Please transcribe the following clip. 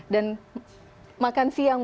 dan makan siang